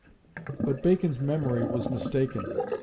But Bacon's memory was mistaken.